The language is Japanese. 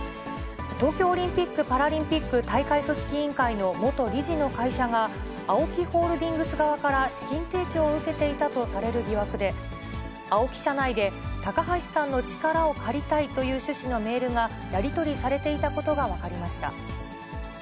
東京オリンピック・パラリンピック大会組織委員会の元理事の会社が、ＡＯＫＩホールディングス側から資金提供を受けていたとされる疑惑で、ＡＯＫＩ社内で、高橋さんの力を借りたいという趣旨のメールがやり取りされていたことが分かりました。